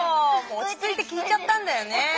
おちついてきいちゃったんだよね。